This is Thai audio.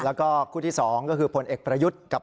แล้วก็คู่ที่๒ก็คือผลเอกประยุทธ์กับ